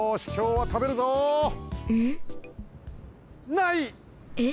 ない！えっ？